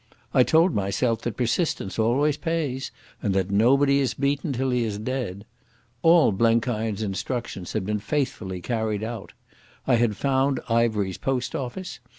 I told myself that persistence always pays and that nobody is beaten till he is dead. All Blenkiron's instructions had been faithfully carried out. I had found Ivery's post office.